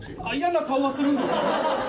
あっ嫌な顔はするんですね。